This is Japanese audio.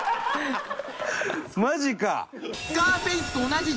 マジか！